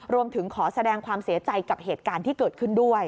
รวมถึงขอแสดงความเสียใจกับเหตุการณ์ที่เกิดขึ้นด้วย